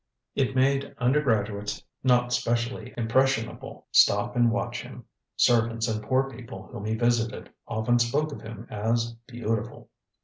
It made undergraduates, not specially impressionable, stop and watch him.... Servants and poor people whom he visited often spoke of him as 'beautiful.